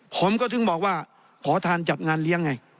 ผมก็ถึงบอกว่าขอทานจัดงานเลี้ยงไง